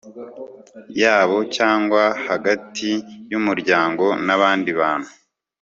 yabo cyangwa hagati y umuryango n abandi bantu